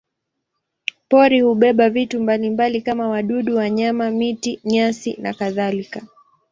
Pori hubeba vitu mbalimbali kama wadudu, wanyama, miti, nyasi nakadhalika.